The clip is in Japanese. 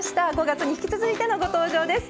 ５月に引き続いてのご登場です。